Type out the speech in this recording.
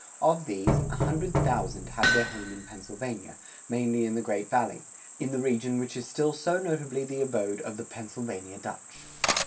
Of these, a hundred thousand had their home in Pennsylvania, mainly in the Great Valley, in the region which is still so notably the abode of the "Pennsylvania Dutch."